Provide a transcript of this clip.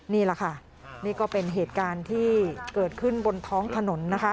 นี่แหละค่ะนี่ก็เป็นเหตุการณ์ที่เกิดขึ้นบนท้องถนนนะคะ